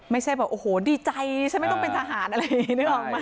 ไม่ใช่แบบโอ้โหดีใจฉันไม่ต้องเป็นทหารอะไรอย่างนี้นึกออกไหม